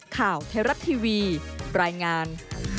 ข่าวเทราะทีวีรายงาน